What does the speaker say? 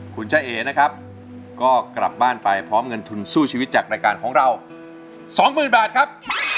คุณจ้าเอนะครับก็กลับบ้านไปพร้อมเงินทุนสู้ชีวิตจากรายการของเรา๒๐๐๐บาทครับ